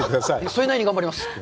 それなりに頑張ります